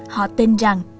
họ tin rằng